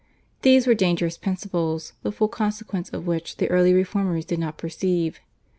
These were dangerous principles, the full consequence of which the early Reformers did not perceive.